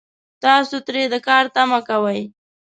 تاسو ترې د کار تمه کوئ